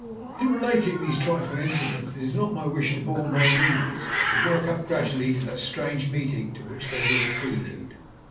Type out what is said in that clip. In relating these trifling incidents it is not my wish to bore my readers, but to work up gradually to that strange meeting to which they were the prelude.